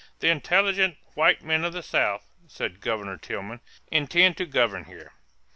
"The intelligent white men of the South," said Governor Tillman, "intend to govern here."